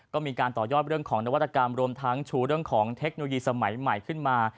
ก็มีการต่อยอดเรื่องของนวัตกรรมรวมทั้งชูเรื่องของเทคโนโลยีสมัยใหม่ขึ้นมา